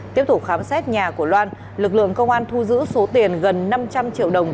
tiếp tục khám xét nhà của loan lực lượng công an thu giữ số tiền gần năm trăm linh triệu đồng